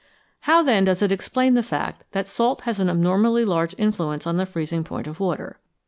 How, then, does it explain the fact that salt has an abnormally big influence on the freezing point of water